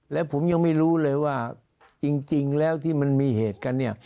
และผมยังไม่รู้เลยว่าจริงแล้วที่มันมีเหตุกันเนี่ย